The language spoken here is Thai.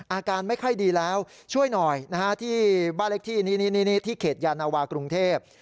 อาการไม่ค่อยดีแล้วช่วยหน่อยนะฮะที่บ้านเล็กที่นี่ที่เขตยานวากรุงเทพ